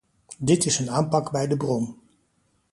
Dit is een aanpak bij de bron.